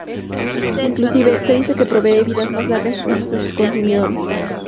Inclusive, se dice que provee vidas más largas y sanas a sus consumidores.